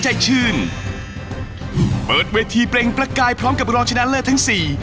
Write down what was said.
ชื่นเปิดเวทีเปล่งประกายพร้อมกับรองชนะเลิศทั้งสี่